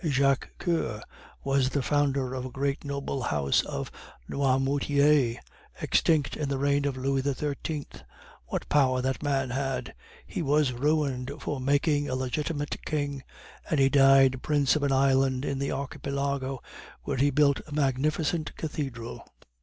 Jacques Coeur was the founder of the great noble house of Noirmoutier, extinct in the reign of Louis XIII. What power that man had! He was ruined for making a legitimate king; and he died, prince of an island in the Archipelago, where he built a magnificent cathedral."